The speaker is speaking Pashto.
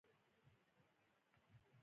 فابریکې ښايي موږ ته مصیبت او بلا شي.